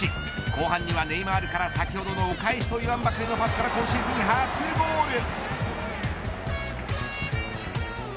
後半にはネイマールから先ほどのお返しと言わんばかりに今シーズン初ゴール。